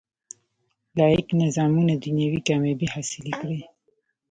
لاییک نظامونه دنیوي کامیابۍ حاصلې کړي.